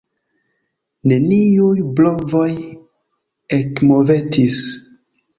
Neniuj brovoj ekmovetis.